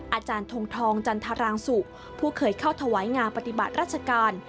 อาจารย์ทงทองจันทรางสุผู้เคยเข้าถวายงานปฏิบัติราชการ